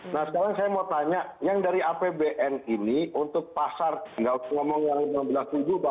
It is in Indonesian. nah sekarang saya mau tanya yang dari apbn ini untuk pasar nggak usah ngomong yang